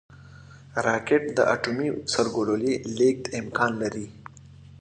راکټ د اټومي سرګلولې لیږد امکان لري